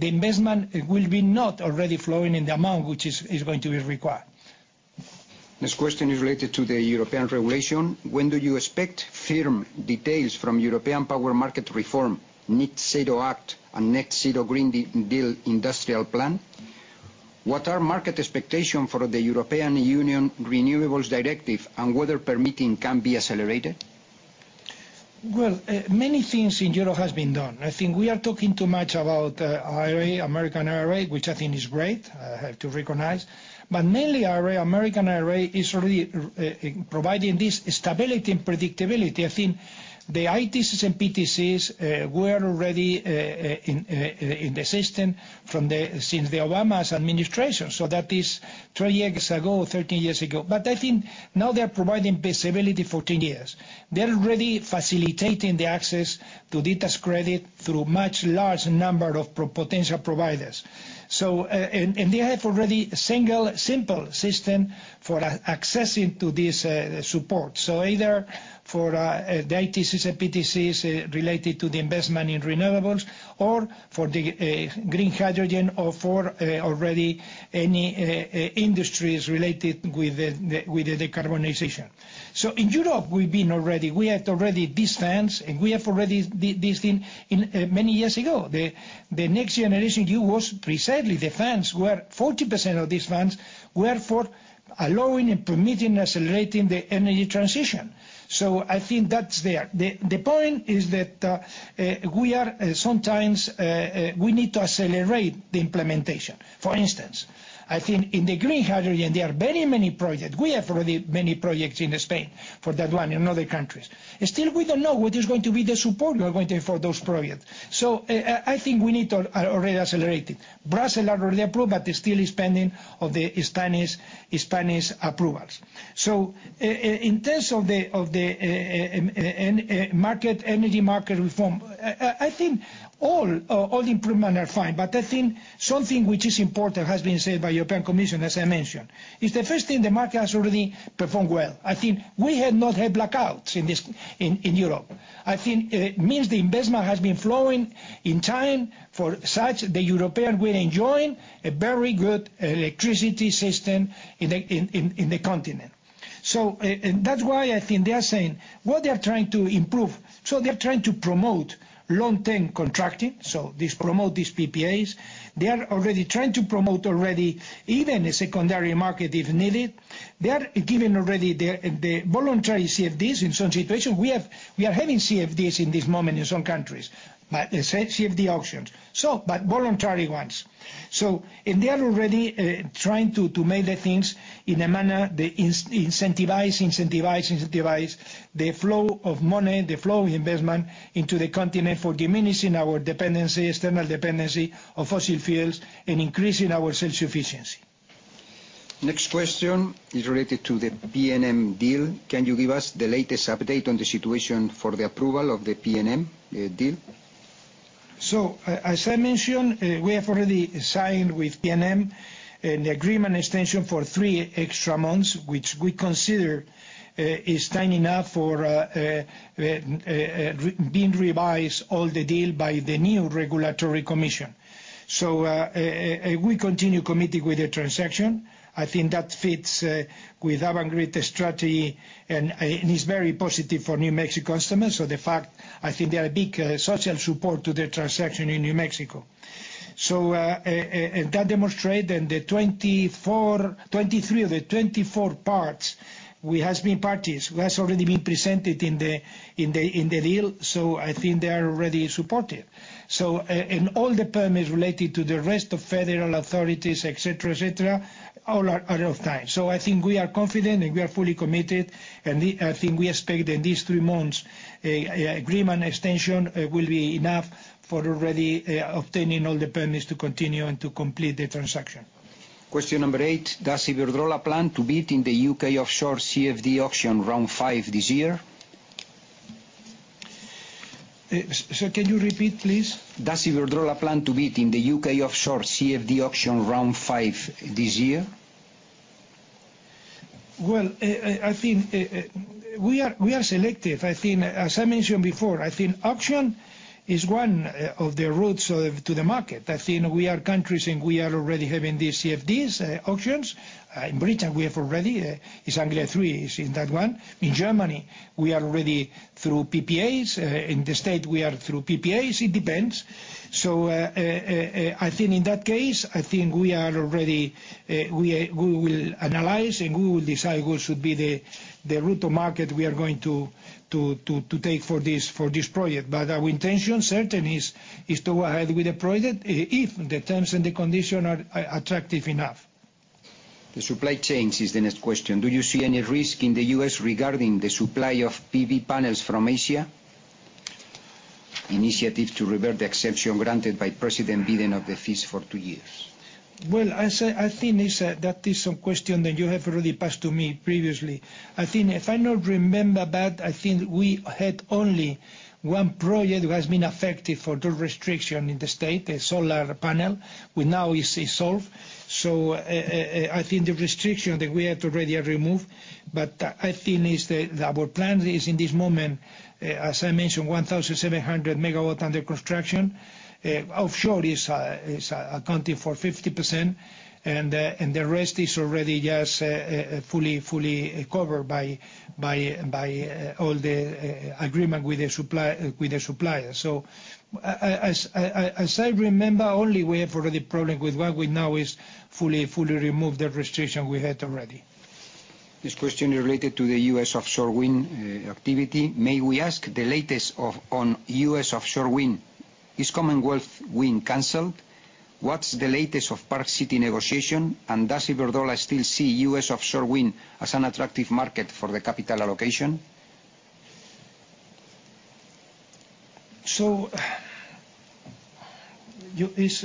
investment will be not already flowing in the amount which is going to be required. This question is related to the European regulation. When do you expect firm details from European power market reform, Net-Zero Act, and Net Zero Green Deal Industrial Plan? What are market expectation for the European Union Renewables Directive and whether permitting can be accelerated? Well, many things in Europe has been done. I think we are talking too much about IRA, American IRA, which I think is great, I have to recognize. Mainly IRA, American IRA is really providing this stability and predictability. I think the ITCs and PTCs were already in the system since the Obama's administration. That is 20 years ago, 13 years ago. I think now they're providing visibility 14 years. They're really facilitating the access to this credit through much large number of pro-potential providers. And they have already single simple system for accessing to this support. Either for the ITCs and PTCs related to the investment in renewables or for the green hydrogen or for already any industries related with the decarbonization. In Europe, we've been already, we had already these funds, and we have already this thing in many years ago. The NextGenerationEU was precisely the funds were 40% of these funds were for allowing and permitting accelerating the energy transition. I think that's there. The point is that we are sometimes we need to accelerate the implementation. For instance, I think in the green hydrogen, there are very many projects. We have already many projects in Spain for that one, and other countries. Still we don't know what is going to be the support we are going to have for those projects. I think we need to already accelerate it. Brussels already approved, but it's still is pending of the Spanish approvals. In terms of the market, energy market reform, I think all improvement are fine, but I think something which is important has been said by European Commission, as I mentioned, is the first thing the market has already performed well. I think we have not had blackouts in this, in Europe. I think it means the investment has been flowing in time for such the European will enjoy a very good electricity system in the continent. That's why I think they are saying what they are trying to improve. They're trying to promote long-term contracting, so this promote these PPAs. They are already trying to promote already even a secondary market if needed. They are giving already the voluntary CFDs in some situation. We are having CFDs in this moment in some countries, but they say CFD options. Voluntary ones. They are already trying to make the things in a manner that incentivize the flow of money, the flow of investment into the continent for diminishing our dependency, external dependency of fossil fuels and increasing our self-sufficiency. Next question is related to the PNM deal. Can you give us the latest update on the situation for the approval of the PNM deal? As I mentioned, we have already signed with PNM an agreement extension for 3 extra months, which we consider is time enough for re-being revised all the deal by the new regulatory commission. We continue committing with the transaction. I think that fits with Avangrid strategy and it's very positive for New Mexico customers. The fact, I think there are big social support to the transaction in New Mexico. That demonstrate in the 24, 23 of the 24 parts we has been parties, has already been presented in the deal, so I think they are already supportive. All the permits related to the rest of federal authorities, et cetera, et cetera, all are of time. I think we are confident and we are fully committed, and the thing we expect in these three months, a agreement extension, will be enough for already obtaining all the permits to continue and to complete the transaction. Question number eight: Does Iberdrola plan to bid in the UK offshore CFD auction Round 5 this year? So can you repeat, please? Does Iberdrola plan to bid in the UK offshore CFD auction Round 5 this year? Well, I think we are selective. I think, as I mentioned before, I think auction is one of the routes to the market. I think we are countries and we are already having these CFDs auctions. In Britain, we have already East Anglia THREE in that one. In Germany, we are already through PPAs. In the States, we are through PPAs. It depends. I think in that case, I think we already we will analyze and we will decide what should be the route to market we are going to take for this project. Our intention certainly is to go ahead with the project if the terms and the condition are attractive enough. The supply chain is the next question. Do you see any risk in the U.S. regarding the supply of PV panels from Asia? Initiative to revert the exception granted by President Biden of the fees for 2 years. Well, I think it's that is some question that you have already passed to me previously. I think if I not remember that, I think we had only one project who has been affected for the restriction in the state, the solar panel, who now is solved. I think the restriction that we have to already have removed, but I think is the, our plan is in this moment, as I mentioned, 1,700 megawatt under construction. Offshore is accounting for 50%, and the rest is already just fully covered by all the agreement with the supply, with the suppliers. As I remember, only we have already problem with one. With now is fully removed the restriction we had already. This question related to the U.S. offshore wind activity. May we ask the latest on U.S. offshore wind? Is Commonwealth Wind canceled? What's the latest of Park City negotiation? Does Iberdrola still see U.S. offshore wind as an attractive market for the capital allocation? It's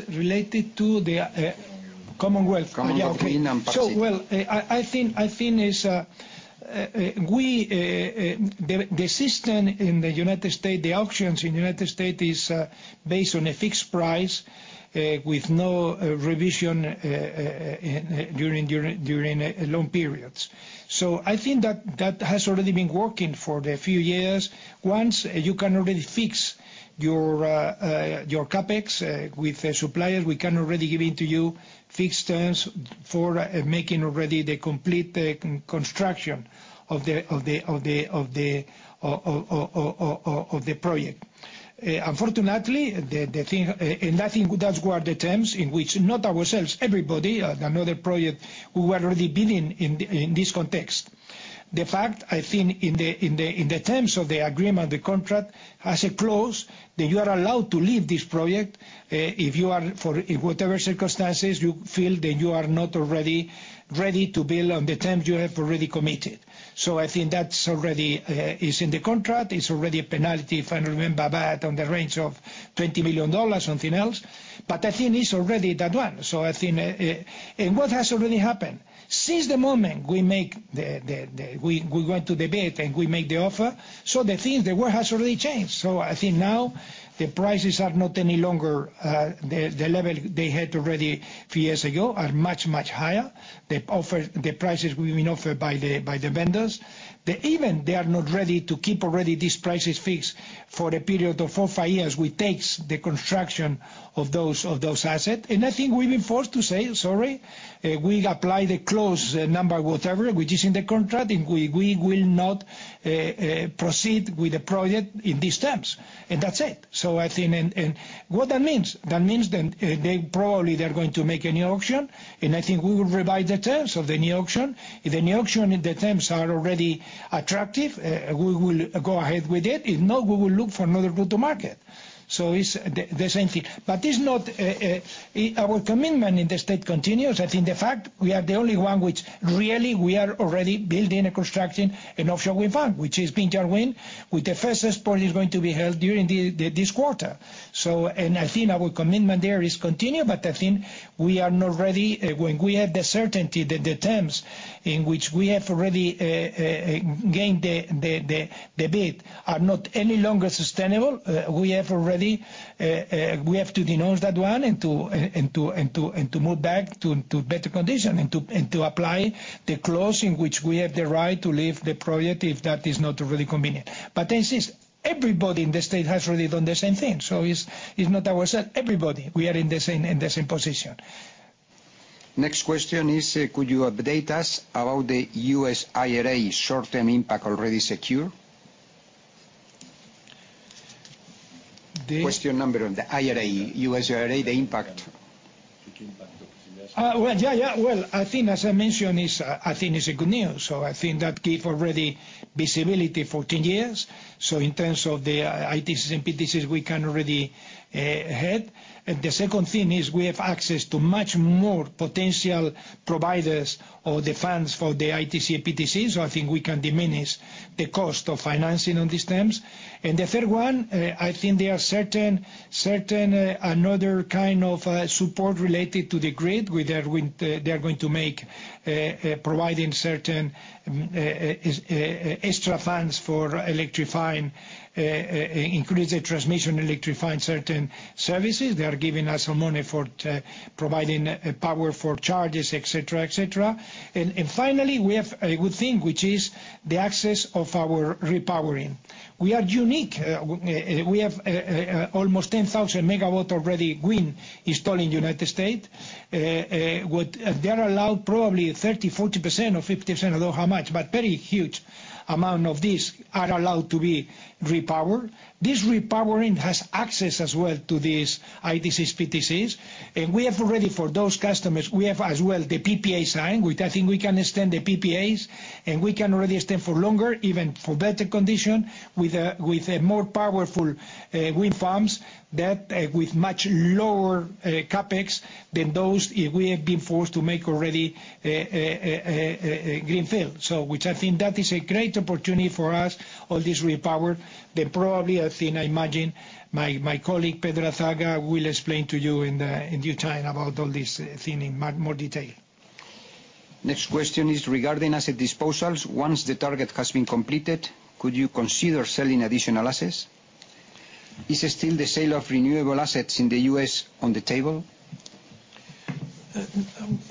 related to the Commonwealth. Commonwealth Wind and Park City. Well, I think it's, we, the system in the United States, the auctions in the United States is based on a fixed price with no revision during long periods. I think that has already been working for the few years. Once you can already fix your CapEx with the suppliers, we can already give it to you fixed terms for making already the complete construction of the project. Unfortunately, the thing, and I think that's where the terms in which not ourselves, everybody, another project who already bid in this context. The fact, I think in the terms of the agreement, the contract has a clause that you are allowed to leave this project, if you are, for whatever circumstances you feel that you are not already ready to build on the terms you have already committed. I think that's already is in the contract. It's already a penalty, if I remember that, on the range of $20 million, something else. I think it's already that one. I think, and what has already happened? Since the moment we make the we went to the bid and we make the offer, the things, the world has already changed. I think now the prices are not any longer, the level they had already few years ago, are much, much higher. The offer, the prices we've been offered by the vendors, they even, they are not ready to keep already these prices fixed for a period of 4, 5 years, we takes the construction of those assets. I think we've been forced to say, "Sorry, we apply the clause number whatever, which is in the contract, and we will not proceed with the project in these terms." That's it. I think... What that means? That means then, they probably they're going to make a new auction, I think we will revise the terms of the new auction. If the new auction and the terms are already attractive, we will go ahead with it. If not, we will look for another route to market. It's the same thing. It's not, our commitment in the state continues. I think the fact we are the only one which really we are already building and constructing an offshore wind farm, which is East Anglia Three, with the first export is going to be held during this quarter. I think our commitment there is continue, but I think we are not ready, when we have the certainty that the terms in which we have already gained the bid are not any longer sustainable, we have already, we have to denounce that one and to move back to better condition and to apply the clause in which we have the right to leave the project if that is not really convenient. This is everybody in the state has really done the same thing. It's, it's not ourselves, everybody, we are in the same, in the same position. Next question is, could you update us about the US IRA short-term impact already secure? Question number on the IRA, US IRA, the impact. Well, yeah. I think as I mentioned, I think it's a good news. I think that give already visibility for 10 years. In terms of the ITCs and PTCs, we can already ahead. The second thing is we have access to much more potential providers or the funds for the ITC, PTCs, so I think we can diminish the cost of financing on these terms. The third one, I think there are certain another kind of support related to the grid where they're going to, they are going to make providing certain extra funds for electrifying, increasing transmission, electrifying certain services. They are giving us our money for providing power for charges, et cetera. Finally, we have a good thing, which is the access of our repowering. We are unique. We have almost 10,000 megawatt already wind installed in United States. What they're allowed probably 30%, 40% or 50%, I don't know how much, but very huge amount of this are allowed to be repowered. This repowering has access as well to these ITCs, PTCs. We have already for those customers, we have as well the PPA sign, which I think we can extend the PPAs, and we can already extend for longer, even for better condition with a more powerful wind farms that with much lower CapEx than those if we have been forced to make already a greenfield. Which I think that is a great opportunity for us, all this repower, that probably, I think, I imagine my colleague, Pedro Azagra, will explain to you in due time about all this thing in more detail. Next question is regarding asset disposals. Once the target has been completed, could you consider selling additional assets? Is it still the sale of renewable assets in the U.S. on the table?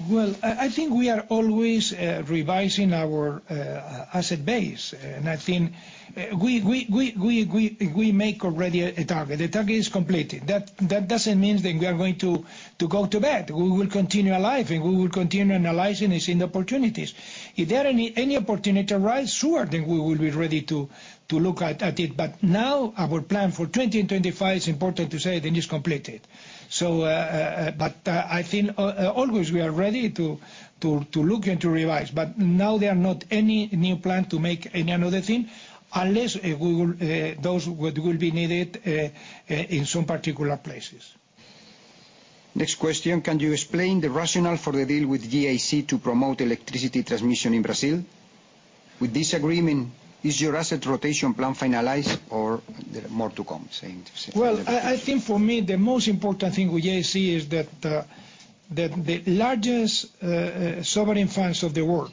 Well, I think we are always revising our asset base. I think we make already a target. The target is completed. That doesn't mean that we are going to go to bed. We will continue alive, and we will continue analyzing and seeing the opportunities. If there any opportunity arise, sure, then we will be ready to look at it. Now our plan for 2025, it's important to say it is completed. I think always we are ready to look and to revise. Now there are not any new plan to make any another thing, unless we will, those will be needed in some particular places. Next question. Can you explain the rationale for the deal with GIC to promote electricity transmission in Brazil? With this agreement, is your asset rotation plan finalized or there are more to come, saying to say? I think for me, the most important thing with GIC is that the largest sovereign funds of the world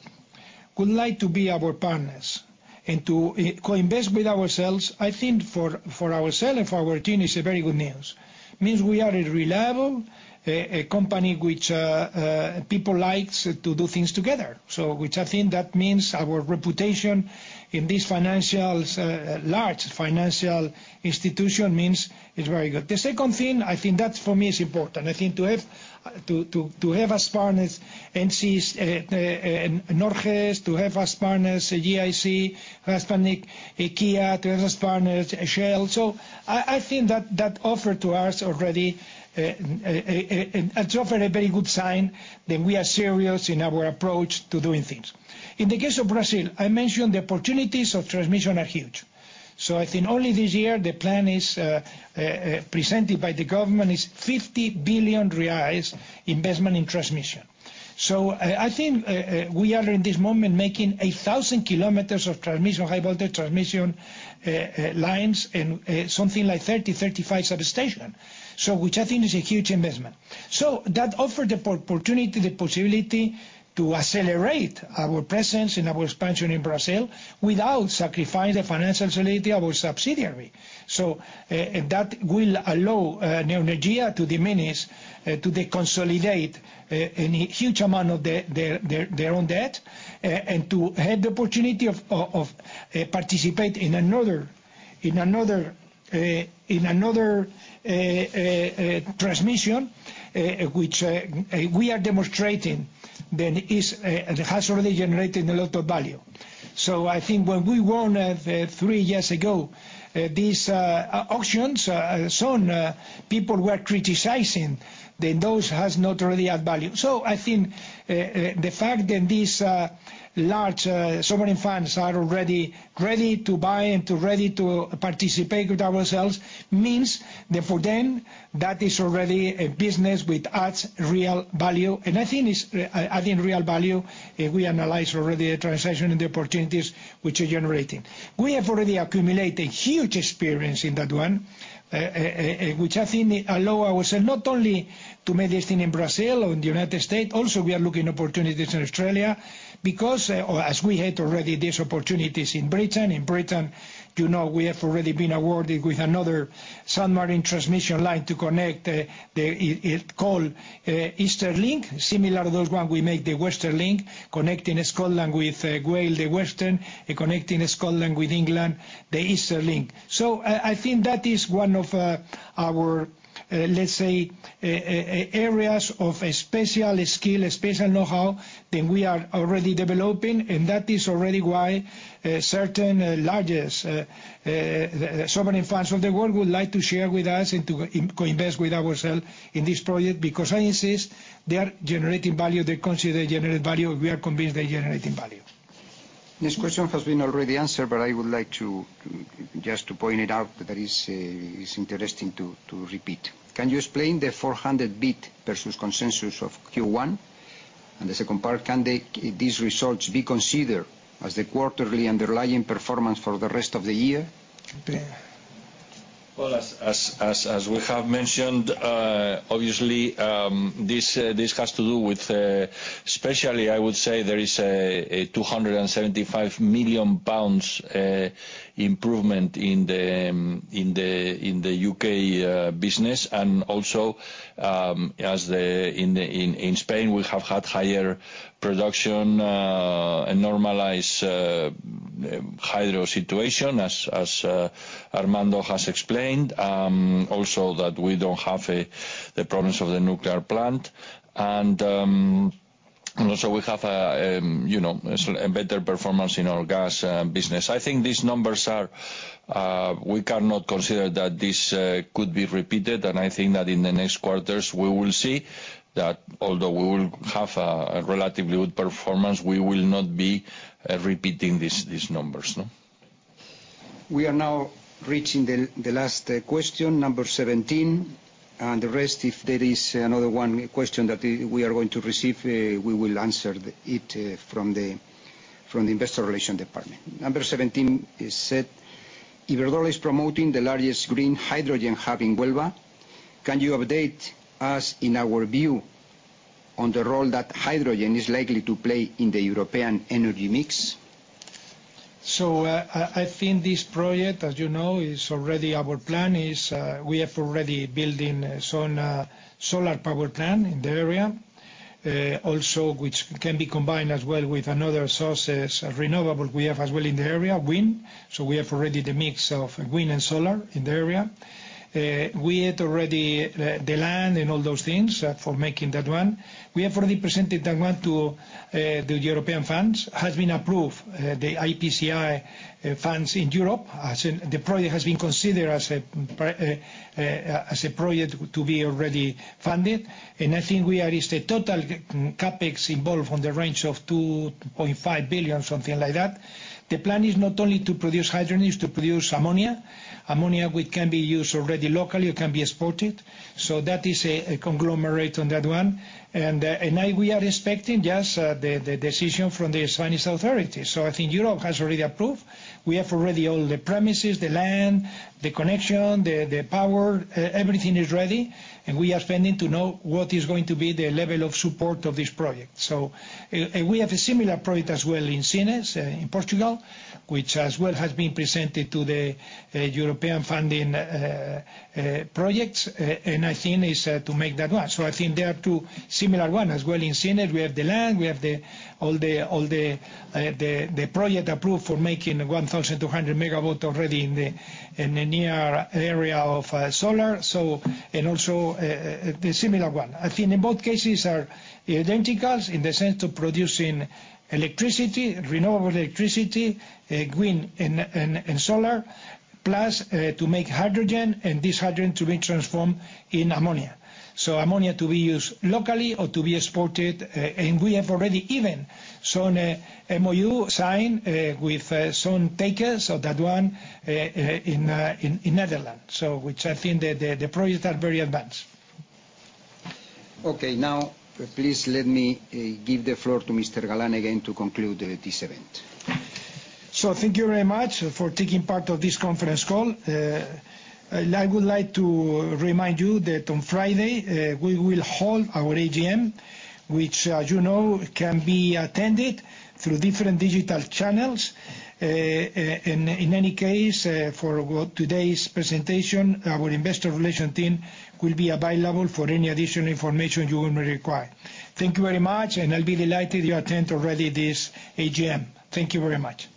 would like to be our partners and to co-invest with ourselves, I think for ourself and for our team is a very good news. Means we are a reliable company which people likes to do things together. Which I think that means our reputation in this financials, large financial institution means is very good. The second thing, I think that for me is important. I think to have as partners Norges, to have as partners GIC, Hispanic, IKEA, to have as partners Shell. I think that offer to us already, it's often a very good sign that we are serious in our approach to doing things. In the case of Brazil, I mentioned the opportunities of transmission are huge. I think only this year, the plan presented by the government is 50 billion reais investment in transmission. I think we are in this moment making 1,000 kilometers of transmission, high-voltage transmission lines and something like 30-35 substation. Which I think is a huge investment. That offer the opportunity, the possibility to accelerate our presence and our expansion in Brazil without sacrificing the financial solidity our subsidiary. That will allow Neoenergia to diminish, to consolidate any huge amount of their own debt, and to have the opportunity of participate in another transmission, which we are demonstrating that has already generated a lot of value. I think when we won three years ago, these auctions, soon, people were criticizing that those has not already had value. I think the fact that these large sovereign funds are already ready to buy and to participate with ourselves means that for them, that is already a business which adds real value. I think it's adding real value, if we analyze already the transaction and the opportunities which are generating. We have already accumulated huge experience in that one, which I think allow ourselves not only to make this thing in Brazil or in the United States, also we are looking opportunities in Australia because as we had already these opportunities in Britain. In Britain, you know, we have already been awarded with another submarine transmission line to connect, it called Eastern Link. Similar to those one we make the Western Link, connecting Scotland with Wales, the western, and connecting Scotland with England, the Eastern Link. I think that is one of our, let's say, areas of a special skill, special knowhow that we are already developing, and that is already why certain largest sovereign funds of the world would like to share with us and to in-co-invest with ourself in this project because I insist they are generating value. They consider generate value. We are convinced they're generating value. This question has been already answered, but I would like to just to point it out that is interesting to repeat. Can you explain the 400 BIP versus consensus of Q1? The second part, can these results be considered as the quarterly underlying performance for the rest of the year? Well, as we have mentioned, obviously, this has to do with, especially I would say there is a 275 million pounds improvement in the UK business and also, as the, in Spain we have had higher production and normalize hydro situation as Armando has explained. Also that we don't have the problems of the nuclear plant. Also we have, you know, a better performance in our gas business. I think these numbers are, we cannot consider that this could be repeated, and I think that in the next quarters we will see that although we will have a relatively good performance, we will not be repeating these numbers, no? We are now reaching the last question, number 17. The rest, if there is another one question that we are going to receive, we will answer it from the investor relation department. Number 17 is said, "Iberdrola is promoting the largest green hydrogen hub in Huelva. Can you update us in our view on the role that hydrogen is likely to play in the European energy mix? I think this project, as you know, is already our plan we have already building soon a solar power plant in the area. Also which can be combined as well with another sources of renewable we have as well in the area, wind. We have already the mix of wind and solar in the area. We had already the land and all those things for making that one. We have already presented that one to the European funds. Has been approved, the IPCEI funds in Europe as the project has been considered as a project to be already funded. I think we are at a total CAPEX involved on the range of 2.5 billion, something like that. The plan is not only to produce hydrogen, it's to produce ammonia. Ammonia we can be used already locally or can be exported, so that is a conglomerate on that one. Now we are expecting just the decision from the Spanish authorities. I think Europe has already approved. We have already all the premises, the land, the connection, the power, everything is ready, and we are pending to know what is going to be the level of support of this project. We have a similar project as well in Sines in Portugal, which as well has been presented to the European funding projects, and I think is to make that one. I think there are two similar one as well. In Sines we have the land, we have all the project approved for making 1,200 MW already in the near area of solar. And also the similar one. I think in both cases are identical in the sense to producing electricity, renewable electricity, wind and solar. Plus to make hydrogen, and this hydrogen to be transformed in ammonia. Ammonia to be used locally or to be exported, and we have already even soon a MOU signed with soon takers of that one in Netherlands. Which I think the projects are very advanced. Okay, now please let me, give the floor to Mr. Galán again to conclude, this event. Thank you very much for taking part of this conference call. I would like to remind you that on Friday, we will hold our AGM, which as you know can be attended through different digital channels. In any case, for what today's presentation, our Investor Relations team will be available for any additional information you may require. Thank you very much, and I'll be delighted you attend already this AGM. Thank you very much.